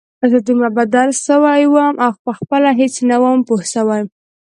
زه دومره بدل سوى وم او پخپله هېڅ نه وم پوه سوى.